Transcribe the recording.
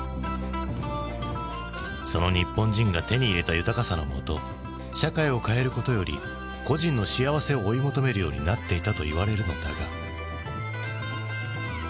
その日本人が手に入れた豊かさのもと社会を変えることより個人の幸せを追い求めるようになっていたといわれるのだが。